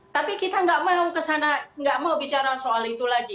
tapi kita tidak mau bicara soal itu lagi